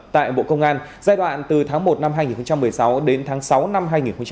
tại bộ công an giai đoạn từ tháng một năm hai nghìn một mươi sáu đến tháng sáu năm hai nghìn một mươi chín